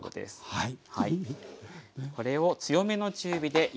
はい。